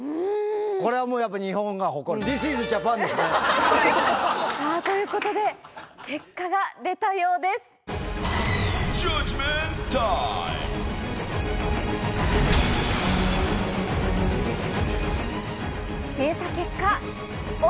これはもうやっぱり日本が誇る、さあ、ということで、結果がジャッジメントタイム。